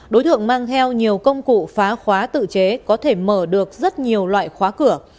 đối tượng mang theo nhiều công cụ phá khóa tự chế có thể mở được rất nhiều loại khóa cửa